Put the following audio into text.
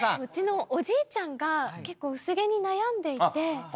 うちのおじいちゃんが結構薄毛に悩んでいて。